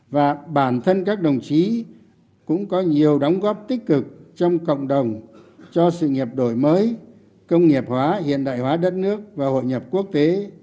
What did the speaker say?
và bản thân các đồng chí cũng có nhiều đóng góp tích cực trong cộng đồng cho sự nghiệp đổi mới công nghiệp hóa hiện đại hóa đất nước và hội nhập quốc tế